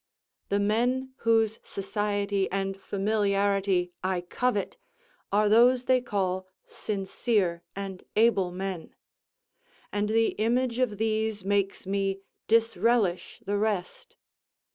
The men whose society and familiarity I covet are those they call sincere and able men; and the image of these makes me disrelish the rest.